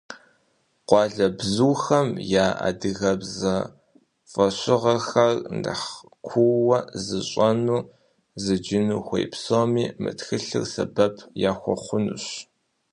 Къуалэбзухэм я адыгэбзэ фӏэщыгъэхэр нэхъ куууэ зыщӏэну, зыджыну хуей псоми мы тхылъыр сэбэп яхуэхъунущ.